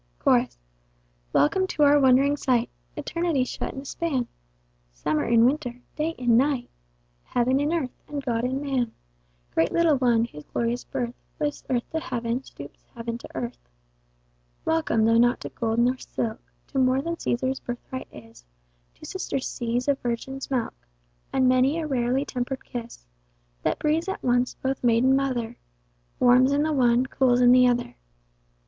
Chorus. Welcome to our wond'ring sight Eternity shut in a span! Summer in winter! Day in night! Heaven in Earth! and God in Man! Great little one, whose glorious birth, Lifts Earth to Heaven, stoops heaven to earth. Welcome, though not to gold, nor silk, To more than Cæsar's birthright is, Two sister seas of virgin's milk, WIth many a rarely temper'd kiss, That breathes at once both maid and mother, Warms in the one, cools in the other.